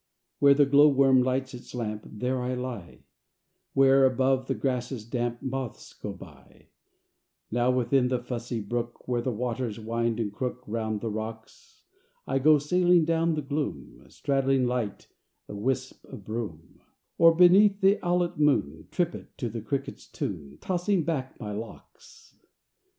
II Where the glow worm lights its lamp, There I lie; Where, above the grasses damp, Moths go by; Now within the fussy brook, Where the waters wind and crook Round the rocks, I go sailing down the gloom Straddling light a wisp of broom; Or, beneath the owlet moon, Trip it to the cricket's tune Tossing back my locks.